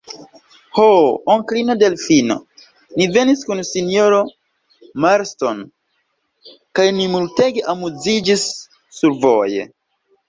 Ho, onklino Delfino, ni venis kun sinjoro Marston kaj ni multege amuziĝis survoje!